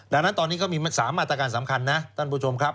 ดังนั้นตอนนี้ก็มี๓มาตรการสำคัญนะท่านผู้ชมครับ